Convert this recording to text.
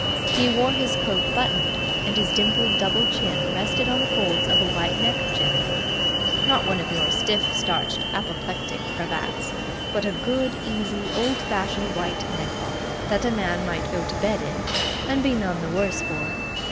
He wore his coat buttoned; and his dimpled double chin rested in the folds of a white neckerchief not one of your stiff starched apoplectic cravats, but a good, easy, old fashioned white neckcloth that a man might go to bed in and be none the worse for.